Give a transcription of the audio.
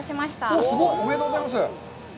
おっ、すごい！おめでとうございます！